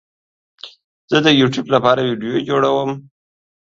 زه د یوټیوب لپاره ویډیو جوړوم